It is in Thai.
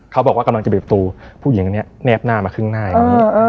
เขาบอกว่ากำลังจะบีบตูผู้หญิงอันนี้แนบหน้ามาครึ่งหน้าอย่างนี้